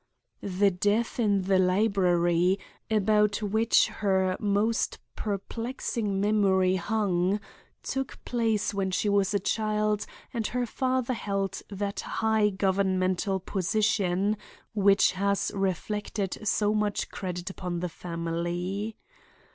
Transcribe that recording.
"The death in the library, about which her most perplexing memory hung, took place when she was a child and her father held that high governmental position which has reflected so much credit upon the family.